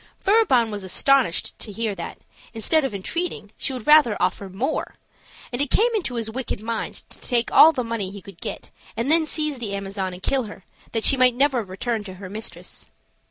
Furibon was astonished to hear that, instead of entreating, she would rather offer more; and it came into his wicked mind to take all the money he could get, and then seize the Amazon and kill her, that she might never return to her mistress.